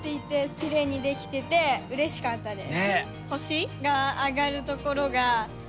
きれいにできててうれしかったです。